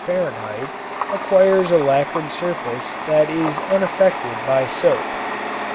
acquires a lacquered surface that is unaffected by soap.